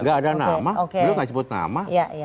gak ada nama belum disebut nama